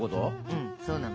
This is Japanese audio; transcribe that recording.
うんそうなの。